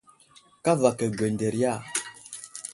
Kavaka ŋgeŋderiya.